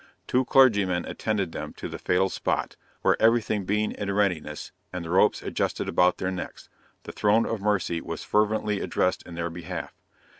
Two clergymen attended them to the fatal spot, where everything being in readiness, and the ropes adjusted about their necks, the Throne of Mercy was fervently addressed in their behalf.